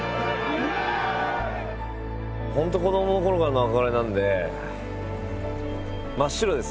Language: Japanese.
本当子どものころからの憧れなんで真っ白です